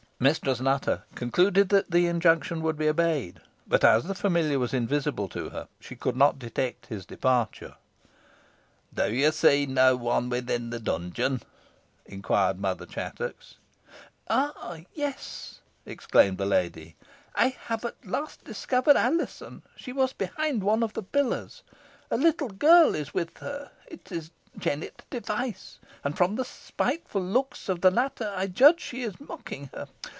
Mistress Nutter concluded that the injunction would be obeyed; but, as the familiar was invisible to her, she could not detect his departure. "Do you see no one within the dungeon?" inquired Mother Chattox. "Ah! yes," exclaimed the lady; "I have at last discovered Alizon. She was behind one of the pillars. A little girl is with her. It is Jennet Device, and, from the spiteful looks of the latter, I judge she is mocking her.